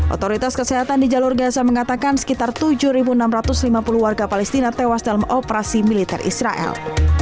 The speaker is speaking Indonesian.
otoritas kesehatan di jalur gaza mengatakan sekitar tujuh enam ratus lima puluh warga palestina tewas dalam operasi militer israel